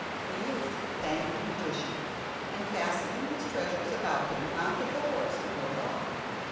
The youth thanked the magician, and fastening his treasures about him mounted the horse and rode off.